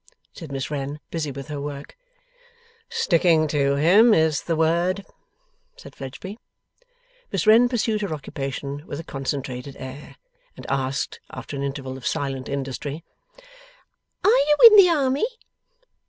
said Miss Wren, busy with her work. 'Sticking to him is the word,' said Fledgeby. Miss Wren pursued her occupation with a concentrated air, and asked, after an interval of silent industry: 'Are you in the army?